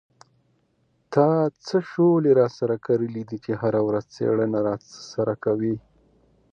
تا څه شولې را سره کرلې دي چې هره ورځ څېړنه را سره کوې.